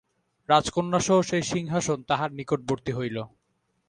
রাজকন্যাসহ সেই সিংহাসন তাঁহার নিকটবর্তী হইল।